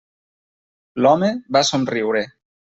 L'home va somriure.